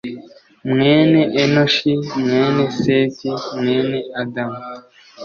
mwene enoshi, mwene seti, mwene adamu